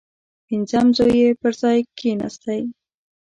پنځم زوی یې پر ځای کښېنستی.